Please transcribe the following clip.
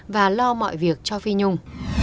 và lo mọi việc cho phi nhung